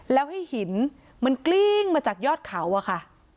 แล้วให้หินมันกลิ้งมาจากยอดเขาอะค่ะ